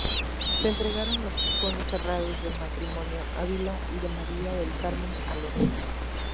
Se entregaron los cajones cerrados del matrimonio Avila y de María del Carmen Alonso.